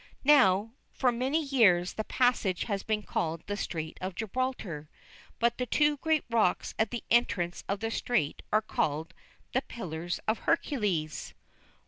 Now, for many years the passage has been called the Strait of Gibraltar. But the two great rocks at the entrance of the strait are called "The Pillars of Hercules."